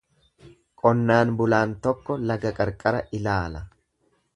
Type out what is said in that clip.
Qonnaan bulaan tokko laga qarqara ilaala.